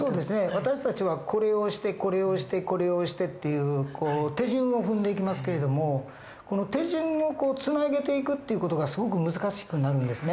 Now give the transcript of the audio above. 私たちはこれをしてこれをしてこれをしてっていう手順を踏んでいきますけれどもこの手順をつなげていくっていう事がすごく難しくなるんですね。